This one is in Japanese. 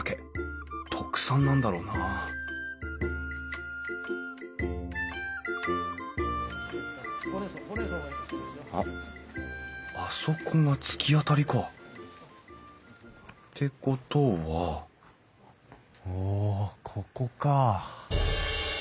特産なんだろうなあっあそこが突き当たりか。ってことはおここか。